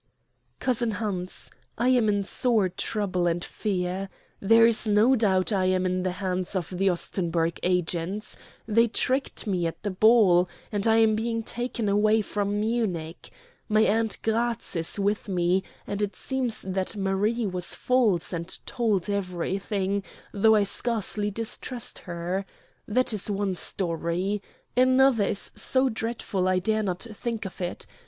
"COUSIN HANS, I am in sore trouble and fear. There is no doubt I am in the hands of the Ostenburg agents they tricked me at the ball, and I am being taken away from Munich. My aunt Gratz is with me, and it seems that Marie was false and told everything though I scarcely distrust her. That is one story. Another is so dreadful I dare not think of it.